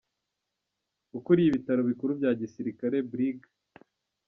Ukuriye ibitaro bikuru bya Gisirikare Brig.